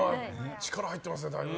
力入ってますね、だいぶ。